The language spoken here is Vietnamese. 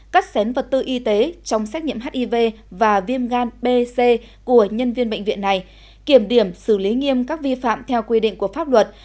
cắt xén vật tư y tế trong xét nghiệm hiv và viêm gan b c của nhân viên bệnh viện này kiểm điểm xử lý nghiêm các vi phạm theo quy định của pháp luật